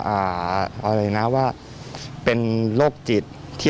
อะไรนะว่าเป็นโรคจิต